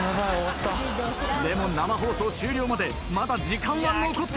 でも生放送終了までまだ時間は残っています。